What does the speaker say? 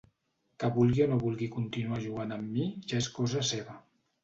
Que vulgui o no vulgui continuar jugant amb mi ja és cosa seva.